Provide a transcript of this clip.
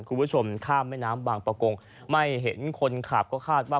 คุณผู้ชมข้ามแม่น้ำบางประกงไม่เห็นคนขับก็คาดว่า